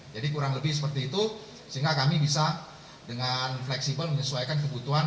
jadi kurang lebih seperti itu sehingga kami bisa dengan fleksibel menyesuaikan kebutuhan